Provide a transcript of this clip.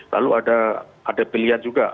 lalu ada pilihan juga